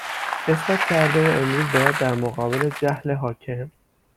اثبات کرده و امروز باید در مقابل جهل حاکم